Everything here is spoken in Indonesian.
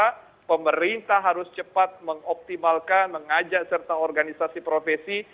karena pemerintah harus cepat mengoptimalkan mengajak serta organisasi profesi